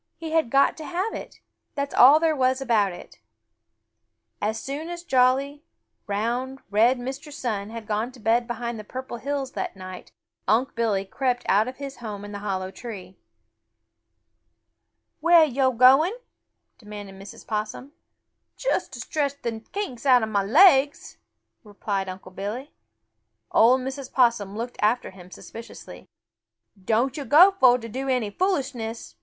He had got to have it. That is all there was about it. As soon as jolly, round, red Mr. Sun had gone to bed behind the Purple Hills that night, Unc' Billy crept out of his home in the hollow tree. "Where are yo' going?" demanded Mrs. Possum. "Just to stretch the kinks out of mah legs," replied Unc' Billy. Old Mrs. Possum looked after him suspiciously. "Don't yo' go fo' to do any foolishness!"